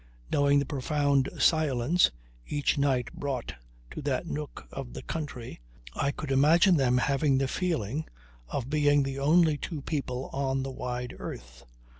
Knowing the profound silence each night brought to that nook of the country, I could imagine them having the feeling of being the only two people on the wide earth.